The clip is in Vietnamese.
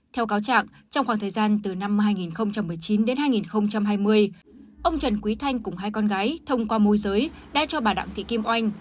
theo cáo trạng trong khoảng thời gian từ năm hai nghìn một mươi chín đến hai nghìn hai mươi ông trần quý thanh cùng hai con gái thông qua môi giới đã cho bà đặng thị kim oanh